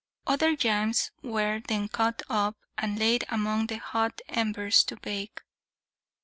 Other yams were then cut up, and laid among the hot embers to bake.